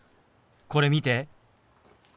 これ見て。